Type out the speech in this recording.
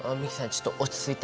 ちょっと落ち着いて。